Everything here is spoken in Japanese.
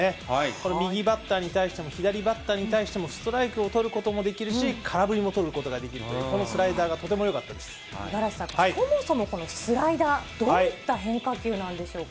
これ、右バッターに対しても、左バッターに対してもストライクを取ることもできるし、空振りも取ることもできるという、このスライダーがとてもよかった五十嵐さん、そもそもスライダー、どういった変化球なんでしょうか。